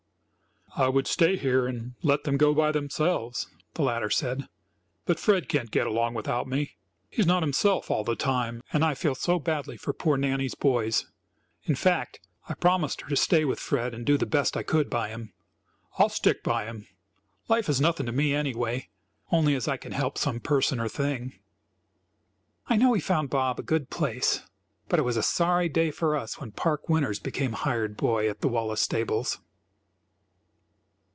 "I would stay here and let them go by themselves," the latter said, "but Fred can't get along without me; he is not himself all the time, and I feel so badly for poor Nannie's boys; in fact, I promised her to stay with Fred and do the best I could by him. I'll stick by him. Life is nothing to me anyway, only as I can help some person or thing." I know he found Bob a good place, but it was a sorry day for us when Park Winters became hired boy at the Wallace stables.